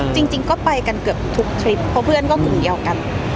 จริงก็ไปกันเกือบทุกทริปเพราะเพื่อนก็กลุ่มเดียวกัน